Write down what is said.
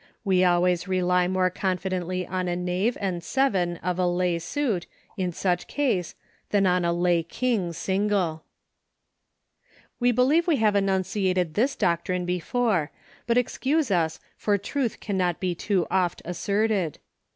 We always rely more confidently on a Knave and seven of a lay suit, in such case, than on a lay King single. We believe we have annunciated this doc trine before ; but, excuse us, for truth cannot be too oft asserted.